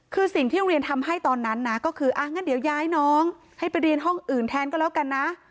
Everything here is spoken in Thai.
คือสิ่งที่โรงเรียนทำให้ตอนนั้นนะก็คืออ่ะงั้นเดี๋ยวย้ายน้องให้ไปเรียนห้องอื่นแทนก็แล้วกันนะ